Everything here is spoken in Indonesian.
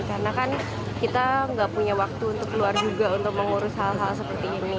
karena kan kita nggak punya waktu untuk keluar juga untuk mengurus hal hal seperti ini